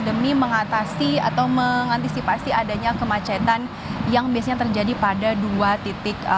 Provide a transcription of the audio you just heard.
demi mengatasi atau mengantisipasi adanya kemacetan yang biasanya terjadi pada dua titik